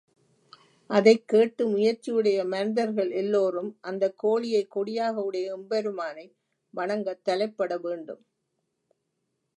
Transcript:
அதைக் கேட்டு முயற்சி உடைய மனிதர்கள் எல்லோரும் அந்தக்கோழியைக் கொடியாக உடைய எம்பெருமானை வணங்கத் தலைப்படவேண்டும்.